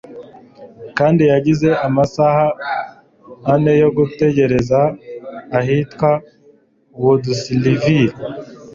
Kandi yagize amasaha ane yo gutegereza ahitwa Woodsville